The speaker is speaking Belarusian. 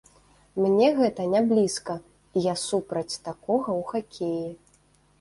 Мне гэта не блізка, і я супраць такога ў хакеі.